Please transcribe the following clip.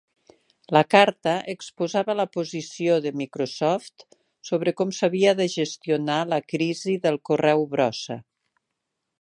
La carta exposava la posició de Microsoft sobre com s'havia de gestionar la crisi del correu brossa.